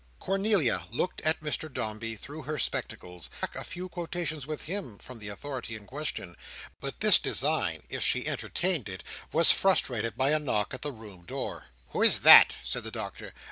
Cornelia looked at Mr Dombey through her spectacles, as if she would have liked to crack a few quotations with him from the authority in question. But this design, if she entertained it, was frustrated by a knock at the room door. "Who is that?" said the Doctor.